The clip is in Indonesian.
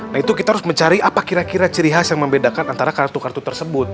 nah itu kita harus mencari apa kira kira ciri khas yang membedakan antara kartu kartu tersebut